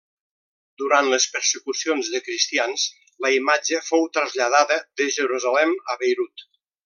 Durant les persecucions de cristians la imatge fou traslladada de Jerusalem a Beirut.